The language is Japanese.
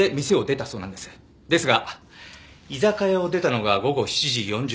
ですが居酒屋を出たのが午後７時４０分頃。